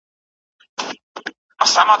ما وېشلي هر یوه ته اقلیمونه